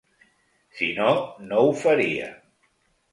Si no, no ho faria.